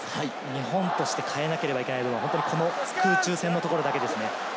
日本として変えなければいけないのはこの空中戦のところだけです。